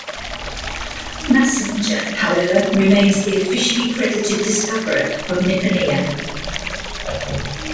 Massinger, however, remains the officially credited discoverer of "Nipponia".